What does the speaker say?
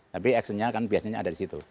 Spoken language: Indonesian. tapi action nya kan biasanya ada di situ